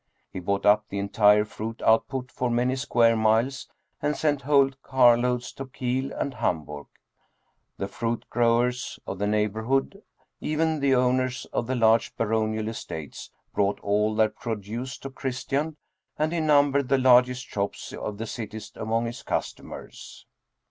He bought up the entire fruit output for many square miles and sent whole carloads to Kiel and Hamburg. The fruit growers of the neighborhood, even the owners of the large baronial es tates, brought all their produce to Christian, and he num bered the largest shops of the cities among his customers.